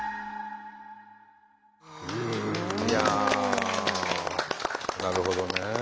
いやあなるほどね。